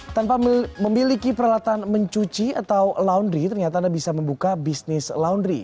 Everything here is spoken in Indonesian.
tanpa memiliki peralatan mencuci atau laundry ternyata anda bisa membuka bisnis laundry